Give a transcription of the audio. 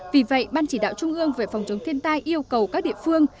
vì vậy ban chỉ đạo trung ương về phòng chống thiên tai yêu cầu các địa phương